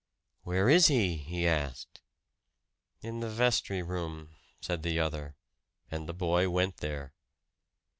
"Where is he?" he asked. "In the vestry room," said the other; and the boy went there.